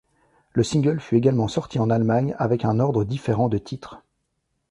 Le single fut également sorti en Allemagne avec un ordre différent de titres.